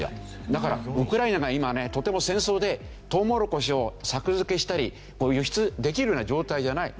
だからウクライナが今ねとても戦争でトウモロコシを作付けしたり輸出できるような状態じゃない。